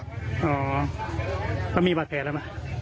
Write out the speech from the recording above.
พ่ออยู่หรือเปล่า